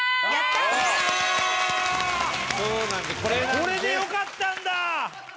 これでよかったんだ！